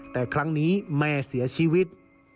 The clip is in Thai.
แต่ครั้งนี้แม่เสียชีวิต